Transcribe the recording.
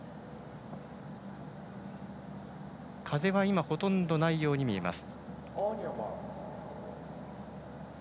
風は今、ほとんどないように見えます。